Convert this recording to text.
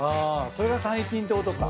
それが最近ってことか。